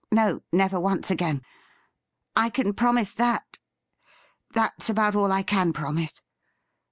No, never once again. I can promise that — that's about all I can promise.